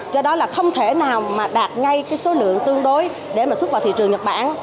do đó là không thể nào mà đạt ngay cái số lượng tương đối để mà xuất vào thị trường nhật bản